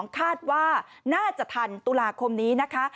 คาดว่าน่าจะทันตุลาคมนี้นะคะ